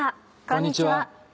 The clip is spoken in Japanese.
こんにちは。